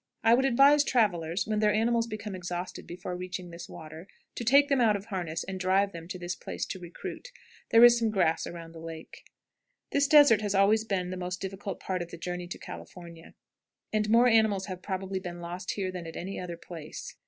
I would advise travelers, when their animals become exhausted before reaching this water, to take them out of harness and drive them to this place to recruit. There is some grass around the lake. This desert has always been the most difficult part of the journey to California, and more animals have probably been lost here than at any other place.